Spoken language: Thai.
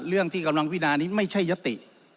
เรื่องที่กำลังพิจารณานี้ไม่ใช่ยศติ